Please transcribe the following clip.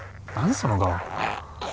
その顔。